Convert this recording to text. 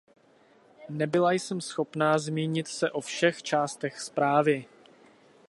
Nebyla jsem schopná zmínit se o všech částech zprávy.